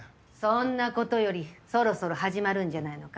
そんなことよりそろそろ始まるんじゃないのかい。